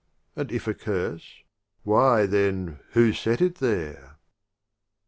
And if a Curse — why, then, Who set it there ?